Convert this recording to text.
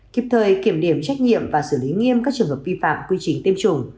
kịp thời kiểm điểm trách nhiệm và xử lý nghiêm các trường hợp vi phạm quy trình tiêm chủng